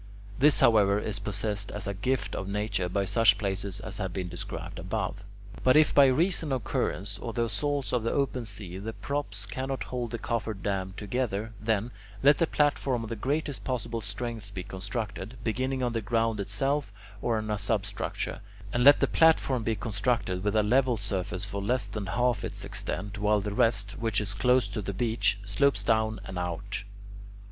This, however, is possessed as a gift of nature by such places as have been described above. But if by reason of currents or the assaults of the open sea the props cannot hold the cofferdam together, then, let a platform of the greatest possible strength be constructed, beginning on the ground itself or on a substructure; and let the platform be constructed with a level surface for less than half its extent, while the rest, which is close to the beach, slopes down and out.